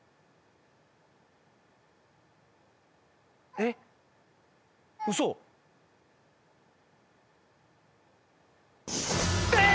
えっウソ？え！